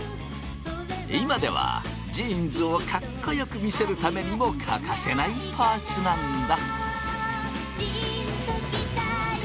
今ではジーンズをかっこよく見せるためにも欠かせないパーツなんだ。